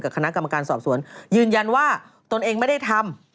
คณะกรรมการสอบสวนยืนยันว่าตนเองไม่ได้ทำ